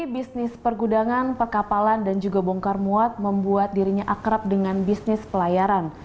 bisnis pergudangan perkapalan dan juga bongkar muat membuat dirinya akrab dengan bisnis pelayaran